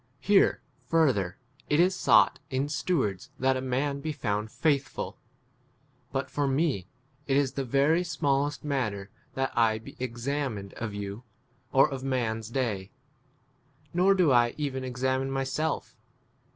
Here, further, it is sought 1 in ste wards that a man be found 8 faithful. But for me it is the very smallest matter that I be examined m of you or of man's day. Nor do I even examine my * self.